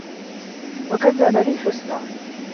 وَكَذَّبَ بِالحُسنى